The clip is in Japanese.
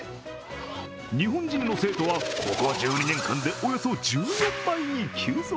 日本人の生徒はここ１２年間でおよそ１４倍に急増。